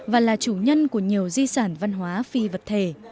và là chủ nhân của nhiều di sản văn hóa phi vật thể